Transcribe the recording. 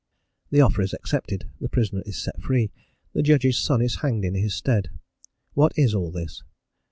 The offer is accepted, the prisoner is set free, the judge's son is hanged in his stead. What is all this?